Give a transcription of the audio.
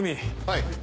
はい。